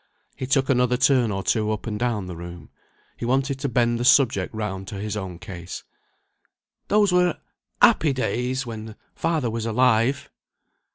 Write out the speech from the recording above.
He took another turn or two up and down the room. He wanted to bend the subject round to his own case. "Those were happy days when father was alive!"